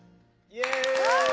イエーイ！